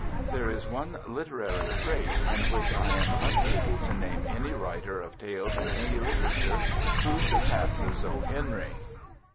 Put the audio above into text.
There is one literary trait in which I am unable to name any writer of tales in any literature who surpasses O. Henry.